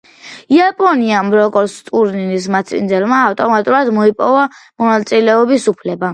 იაპონიამ, როგორც ტურნირის მასპინძელმა ავტომატურად მოიპოვა მონაწილეობის უფლება.